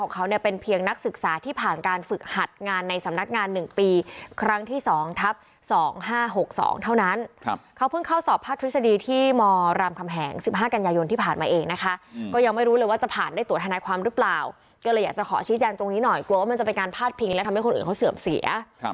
ก็เลยอยากจะขอชี้แจนตรงนี้หน่อยกลัวว่ามันจะเป็นการพาดพิงและทำให้คนอื่นเขาเสื่อมเสีย